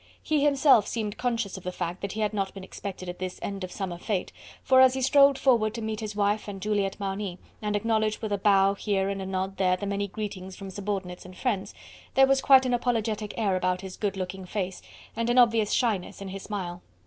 He himself seemed conscious of the fact that he had not been expected at this end of summer fete, for as he strolled forward to meet his wife and Juliette Marny, and acknowledge with a bow here and a nod there the many greetings from subordinates and friends, there was quite an apologetic air about his good looking face, and an obvious shyness in his smile.